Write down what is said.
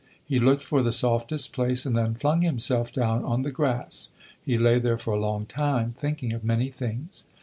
He looked for the softest place and then flung himself down on the grass; he lay there for a long time, thinking of many things.